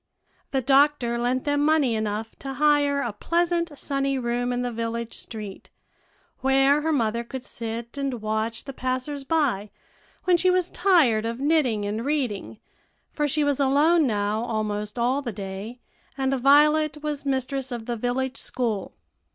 The doctor lent them money enough to hire a pleasant, sunny room in the village street, where her mother could sit and watch the passers by when she was tired of knitting and reading, for she was alone now almost all the day, and Violet was mistress of the village school.